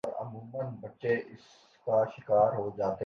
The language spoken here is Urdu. سب ہر وقت اسی کے کنٹرول میں ہیں